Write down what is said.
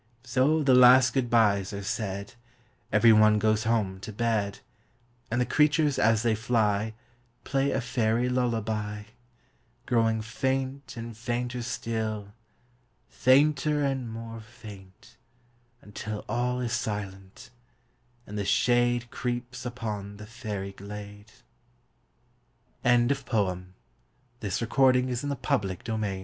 So the last good byes are said; Every one goes home to bed; And the creatures as they fly Play a fairy lullaby, Growing faint and fainter still, Fainter and more faint, until All is silent and the shade Creeps upon the fairy glade. Transcriberâs Note: Obvious p